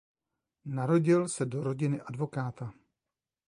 Narodil se do rodiny advokáta.